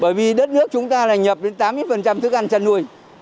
bởi vì đất nước chúng ta là nhập đến tám mươi thức ăn chăn nuôi